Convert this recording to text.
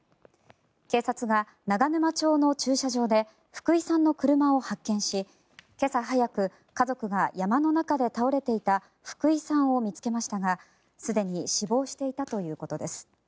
警察が長沼町の駐車場で福井さんの車を発見し今朝早く、家族が山の中で倒れていた福井さんを見つけましたがすでに死亡していたということです。